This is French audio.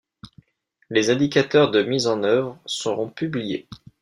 Les indicateurs de mise en œuvre seront publiés.